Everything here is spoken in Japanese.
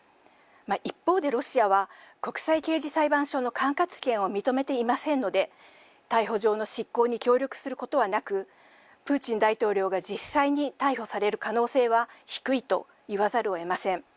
一方でロシアは、国際刑事裁判所の管轄権を認めていませんので、逮捕状の執行に協力することはなく、プーチン大統領が実際に逮捕される可能性は、低いと言わざるをえません。